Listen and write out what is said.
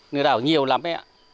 người đảo nhiều lắm đấy ạ